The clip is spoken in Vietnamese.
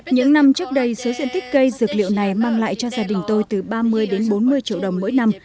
những năm trước đây số diện tích cây dược liệu này mang lại cho gia đình tôi từ ba mươi đến bốn mươi triệu đồng mỗi năm